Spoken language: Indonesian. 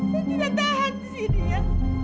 saya tidak tahan di sini ya